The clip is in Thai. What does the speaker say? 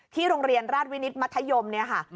โรงเรียนราชวินิตมัธยมเนี่ยค่ะ